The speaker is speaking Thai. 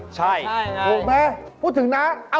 ใช่น่ะพูดไหมพูดถึงนะ